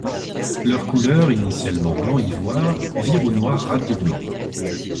Leur couleur, initialement blanc ivoire, vire au noir rapidement.